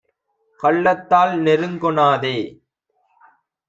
கள்ளத்தால் நெருங் கொணாதே